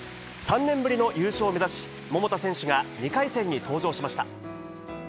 ３年ぶりの優勝を目指し、桃田選手が２回戦に登場しました。